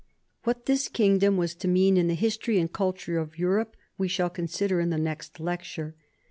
What this kingdom was to mean in the history and culture of Europe we shall consider in the next lecture.